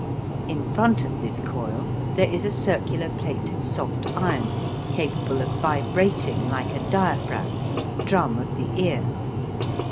In front of this coil there is a circular plate of soft iron capable of vibrating like a diaphragm or the drum of the ear.